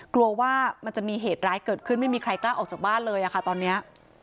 กลัวว่ามันจะมีเหตุร้ายเกิดขึ้นไม่มีใครกล้าออกจากบ้านเลยค่ะตอนนี้